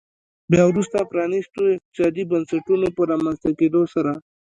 بیا وروسته پرانیستو اقتصادي بنسټونو په رامنځته کېدو سره.